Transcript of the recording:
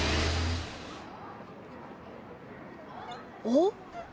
おっ！